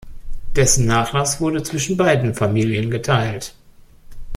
Dessen Nachlass wurde zwischen beiden Familien geteilt.